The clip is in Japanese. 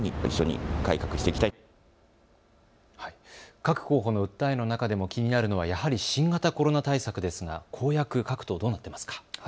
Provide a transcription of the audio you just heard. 各候補の訴えの中でも気になるのはやはり新型コロナ対策ですが公約、各党どうなっていますか。